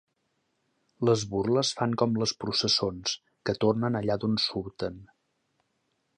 Les burles fan com les processons, que tornen allà d'on surten.